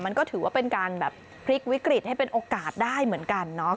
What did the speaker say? มันก็ถือว่าเป็นการแบบพลิกวิกฤตให้เป็นโอกาสได้เหมือนกันเนาะ